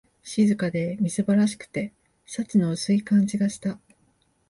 静かで、みすぼらしくて、幸の薄い感じがした